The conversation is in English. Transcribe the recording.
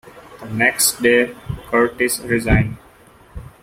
The next day, Curtis resigned.